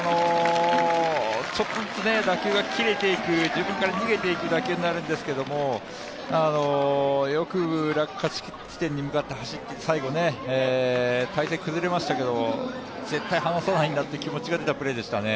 ちょっとずつ打球が切れていく、自分から逃げていく打球になるんですけどよく落下地点に向かって最後、体勢崩れましたけども絶対離さないんだという気持ちが出たプレーでしたね。